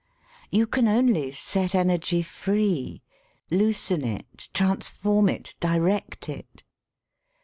You can onlj set energj free, loosen it, transform it, direct it.